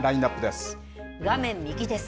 画面右です。